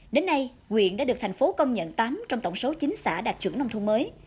đến nay quyền đã được thành phố công nhận tám trong tổng số chín xã đạt chuẩn nông thôn mới